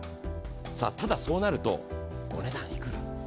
ただ、そうなるとお値段いくら？